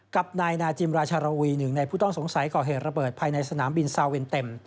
กับนายนาจิมราชารวีหนึ่งในผู้ต้องสงสัยก่อเหตุระเบิดภายในสนามบินซาเวนเต็ม